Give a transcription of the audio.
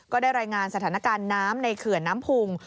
ก็ได้รายงานสถานการณ์น้ำในเขื่อนน้ำพุง